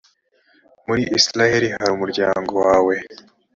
muri israheli hari umuryango wawe.